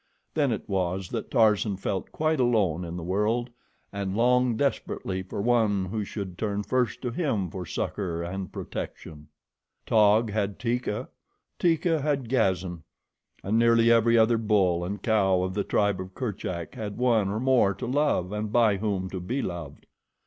Then it was that Tarzan felt quite alone in the world and longed desperately for one who should turn first to him for succor and protection. Taug had Teeka; Teeka had Gazan; and nearly every other bull and cow of the tribe of Kerchak had one or more to love and by whom to be loved.